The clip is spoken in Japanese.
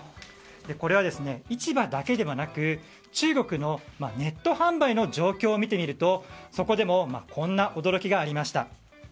これは、市場だけではなく中国のネット販売の状況を見てみるとそこでもこんな驚きがありました。